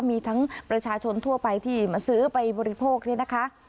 มีทั้งประชาชนทั่วไปที่มาซื้อไปบริโภคเนี่ยนะคะ